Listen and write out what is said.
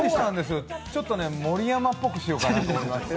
ちょっと盛山っぽくしようかなと思いまして。